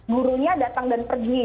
gurunya datang dan pergi